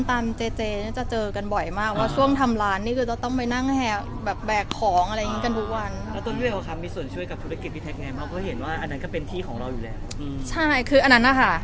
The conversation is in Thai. ถ้างี้ทุกวันนี้ไปไหนมาไหนเป็นปกติอยู่ไปด้วยกัน